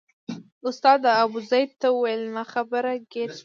استاد ابوزید ته وویل ناخبره ګیر شوم.